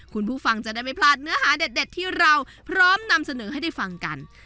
คุณผู้ฟังจะได้ไม่พลาดเนื้อหาเด็ดที่เราพร้อมนำเสนอให้ได้ฟังกัน